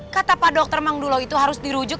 kata pak dr mangdulo itu harus dirujuk